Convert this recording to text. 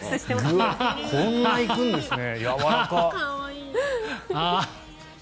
こんないくんですね。